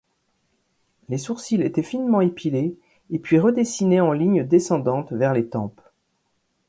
Les sourcils étaient finement épilés et puis redessinés en ligne descendante vers les tempes.